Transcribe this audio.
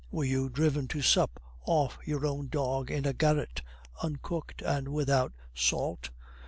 Were you driven to sup off your own dog in a garret, uncooked and without salt?